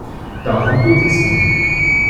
Darum geht es hier.